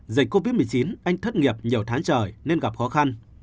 dịch covid một mươi chín anh thất nghiệp nhiều tháng trời nên gặp khó khăn